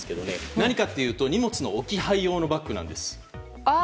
何かというと、荷物の置き配用のバッグなんです。